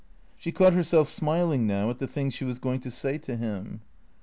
She caught herself smiling now at the things she was going to say to him.